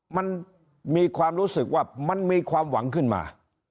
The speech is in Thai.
มันมีความรู้สึกว่ามันมีความหวังขึ้นมา